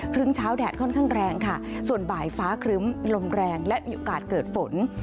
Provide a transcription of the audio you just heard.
ครึ่งเช้าแดดค่อนข้างแรงค่ะส่วนบ่ายฟ้าครึ้มลมแรงและมีโอกาสเกิดฝน